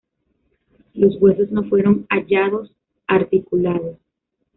Los huesos no fueron hallados articulados.